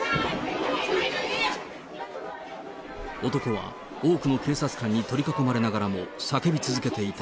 男は多くの警察官に取り囲まれながらも、叫び続けていた。